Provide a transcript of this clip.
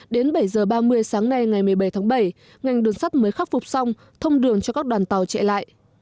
đến bảy h ba mươi sáng nay ngày một mươi bảy tháng bảy ngành đường sắt mới khắc phục xong thông đường cho các đoàn tàu chạy lại